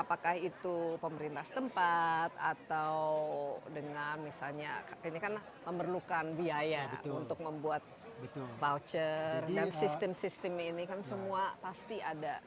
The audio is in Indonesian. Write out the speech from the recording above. apakah itu pemerintah tempat atau dengan misalnya ini kan memerlukan biaya untuk membuat voucher dan sistem sistem ini kan semua pasti ada